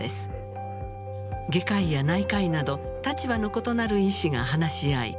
外科医や内科医など立場の異なる医師が話し合い